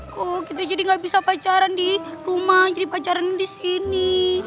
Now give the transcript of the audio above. kok kita jadi gak bisa pacaran di rumah jadi pacaran disini